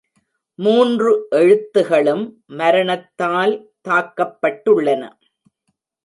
மூன்று எழுத்துகளும் மரணத்தால் தாக்கப்பட்டுள்ளன.